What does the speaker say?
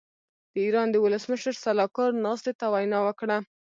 د ايران د ولسمشر سلاکار ناستې ته وینا وکړه.